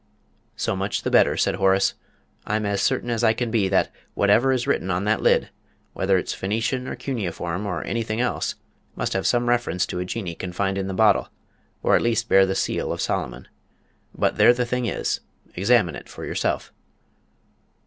"So much the better," said Horace. "I'm as certain as I can be that, whatever is written on that lid whether it's Phoenician, or Cuneiform, or anything else must have some reference to a Jinnee confined in the bottle, or at least bear the seal of Solomon. But there the thing is examine it for yourself."